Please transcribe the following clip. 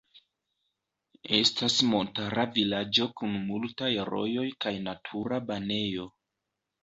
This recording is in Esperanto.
Estas montara vilaĝo kun multaj rojoj kaj natura banejo.